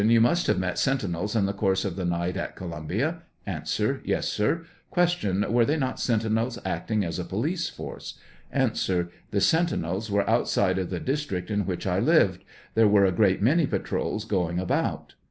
Tou must have met sentinels in the course of the night at Columbia ? A. T6!8, sir. Q. Were they not sentinels acting as a police force ? A. The sentinels were outside of the district in which I lived ; there were a great many patrols going about.